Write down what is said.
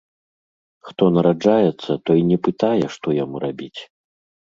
Хто нараджаецца, той не пытае, што яму рабіць.